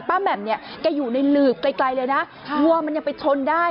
แหม่มเนี่ยแกอยู่ในหลืบไกลเลยนะวัวมันยังไปชนได้